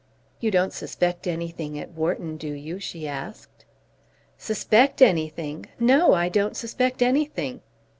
"You don't suspect anything at Wharton, do you?" she asked. "Suspect anything! No; I don't suspect anything."